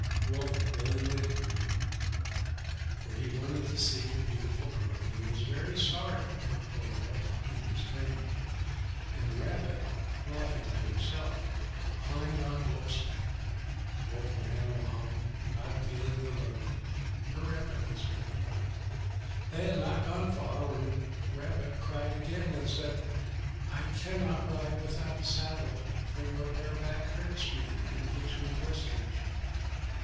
Wolf willingly agreed, for he wanted to see the beautiful girl, and he was very sorry for poor Rabbit in his pain; and Rabbit, laughing to himself, climbed on Wolf's back. Wolf ran along, not feeling the load, for Rabbit was very light. They had not gone far when Rabbit cried again and said, "I cannot ride without a saddle, for your bare back hurts me and gives me blisters."